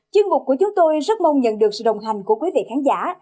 chương mục của chúng tôi rất mong nhận được sự đồng hành của quý vị khán giả